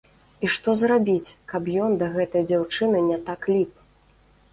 І што зрабіць, каб ён да гэтай дзяўчыны не так ліп?!.